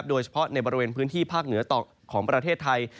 โดยเฉพาะในบริเวณพื้นที่ภาคเหนือของประเทศไทย